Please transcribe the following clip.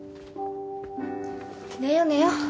寝よ寝よ。